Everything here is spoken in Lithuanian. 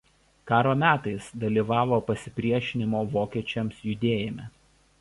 Karo metais dalyvavo pasipriešinimo vokiečiams judėjime.